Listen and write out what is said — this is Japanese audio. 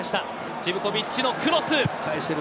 ジヴコヴィッチのクロス。